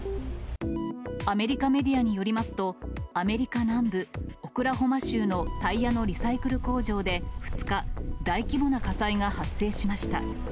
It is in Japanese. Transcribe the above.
アメリカメディアによりますと、アメリカ南部オクラホマ州のタイヤのリサイクル工場で２日、大規模な火災が発生しました。